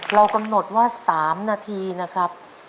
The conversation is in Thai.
เรากำหนดว่า๓นาทีนะครับ